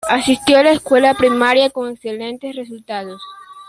Asistió a la escuela primaria con excelentes resultados.